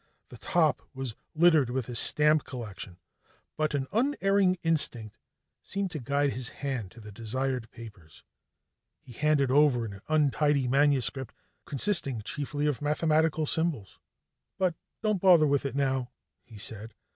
The top was littered with his stamp collection, but an unerring instinct seemed to guide his hand to the desired papers. He handed over an untidy manuscript consisting chiefly of mathematical symbols. "But don't bother with it now," he said.